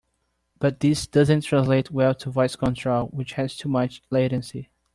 But this doesn't translate well to voice control, which has too much latency.